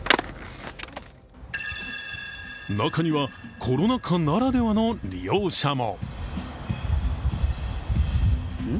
中には、コロナ禍ならではの利用者も。